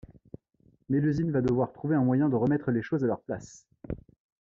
Mélusine va devoir trouver un moyen de remettre les choses à leur place…